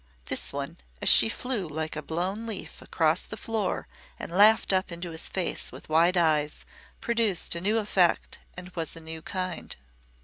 This one, as she flew like a blown leaf across the floor and laughed up into his face with wide eyes produced a new effect and was a new kind.